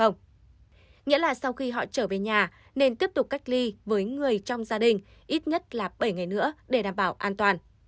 nghĩa là sau khi họ trở về nhà nên tiếp tục cách ly với người trong gia đình ít nhất là bảy ngày nữa để đảm bảo an toàn